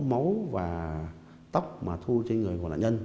máu và tóc mà thu trên người của nạn nhân